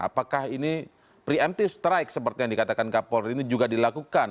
apakah ini preemptive strike seperti yang dikatakan kapolri ini juga dilakukan